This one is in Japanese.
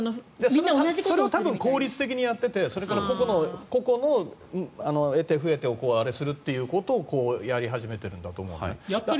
それを効率的にやっていて個々の得手、不得手をあれするということをやり始めてるんだと。